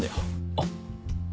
あっ。